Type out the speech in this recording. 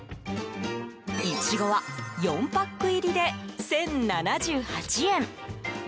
イチゴは４パック入りで１０７８円。